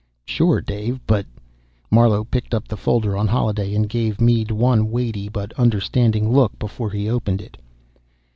"Sure, Dave, but " Marlowe picked up the folder on Holliday and gave Mead one weighty but understanding look before he opened it.